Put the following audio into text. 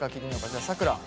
じゃあさくら。